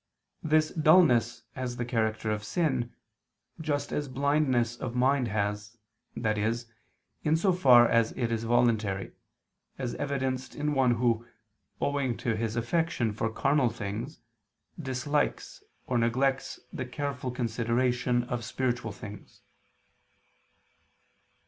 This dulness has the character of sin, just as blindness of mind has, that is, in so far as it is voluntary, as evidenced in one who, owing to his affection for carnal things, dislikes or neglects the careful consideration of spiritual things.